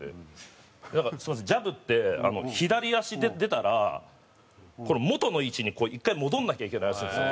なんかすみませんジャブって左足で出たら元の位置にこう１回戻んなきゃいけないらしいんですよ。